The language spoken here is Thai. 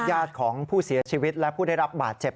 ญาติของผู้เสียชีวิตและผู้ได้รับบาดเจ็บ